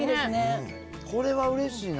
これはうれしいな。